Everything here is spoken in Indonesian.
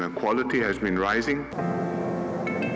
dan kualitas mereka telah meningkat